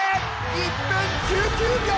１分１９秒！